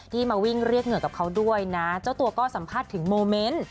มาวิ่งเรียกเหงื่อกับเขาด้วยนะเจ้าตัวก็สัมภาษณ์ถึงโมเมนต์